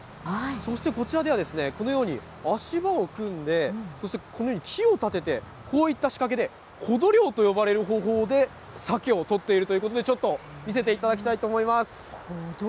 そしてこちらでは、このように足場を組んで、そして、このように木を立てて、こういった仕掛けでコド漁と呼ばれる方法でサケを取っているということで、ちょっと見せていただきたいと思います。